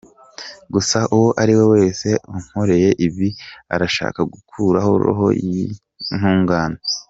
Gusa uwo ari we wese unkoreye ibi arashaka gukuraho Roho y’intungane.